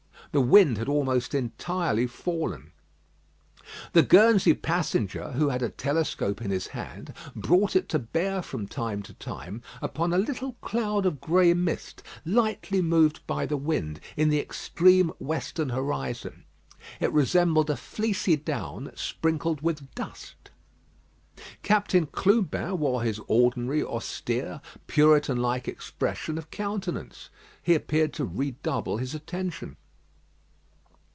The wind had almost entirely fallen. The Guernsey passenger, who had a telescope in his hand, brought it to bear from time to time upon a little cloud of grey mist, lightly moved by the wind, in the extreme western horizon. It resembled a fleecy down sprinkled with dust. Captain Clubin wore his ordinary austere, Puritan like expression of countenance. He appeared to redouble his attention.